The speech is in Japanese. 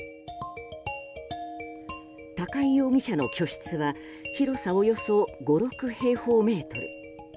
高井容疑者の居室は広さおよそ５６平方メートル。